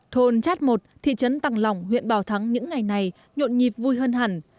thôn chát một thị trấn tàng lỏng huyện bảo thắng những ngày này nhộn nhịp vui hơn hẳn